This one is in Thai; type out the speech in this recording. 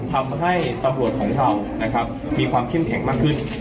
ทำให้ตำรวจของเรานะครับมีความเข้มแข็งมากขึ้น